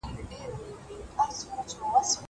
زه کولای سم کښېناستل وکړم!!